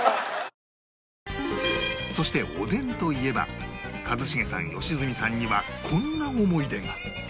そしておでんといえば一茂さん良純さんにはこんな思い出が